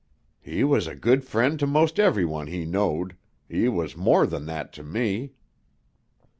"He was a good friend to most every one he knowed. He was more than that to me."